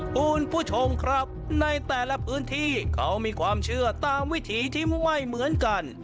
คุณผู้ชมครับในแต่ละพื้นที่เขามีความเชื่อตามวิถีที่ไม่เหมือนกัน